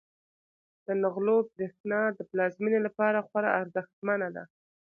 د نغلو برښنا د پلازمینې لپاره خورا ارزښتمنه ده.